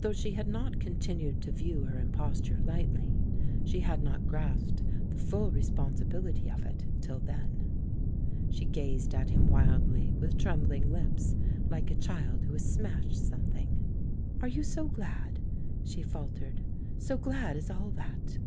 Though she had not continued to view her imposture lightlj^ she had not grasped the full responsibility of it till then. She gazed at him wildly, with trembling lips, like a child who has smashed something. "Are you so glad," she faltered — "so glad as all that?"